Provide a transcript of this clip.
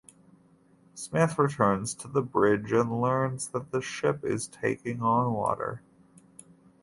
Smith returns to the bridge and learns that the ship is taking on water.